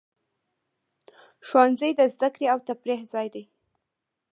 ښوونځی د زده کړې او تفریح ځای دی.